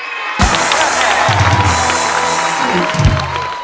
ใช้ครับ